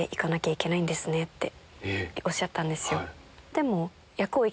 でも。